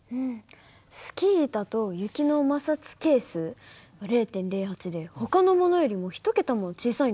スキー板と雪の摩擦係数が０．０８でほかのものよりも１桁も小さいんだね。